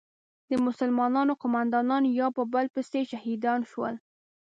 د مسلمانانو قومندانان یو په بل پسې شهیدان شول.